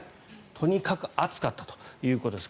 とにかく暑かったということです。